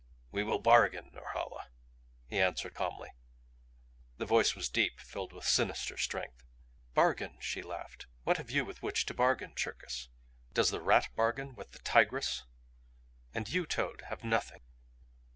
"We will bargain, Norhala," he answered calmly; the voice was deep, filled with sinister strength. "Bargain?" she laughed. "What have you with which to bargain, Cherkis? Does the rat bargain with the tigress? And you, toad, have nothing."